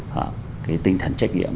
cái tinh thần trách nhiệm